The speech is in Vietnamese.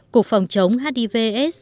cục phòng chống hiv s